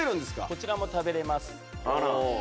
こちらも食べれます。